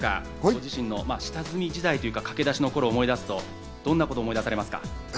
ご自身の下積み時代というか、駆け出しの頃を思い出すと、どんなことを思い出されますか？